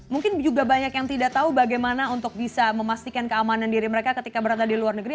mungkin juga banyak yang tidak tahu bagaimana untuk bisa memastikan keamanan diri mereka ketika berada di luar negeri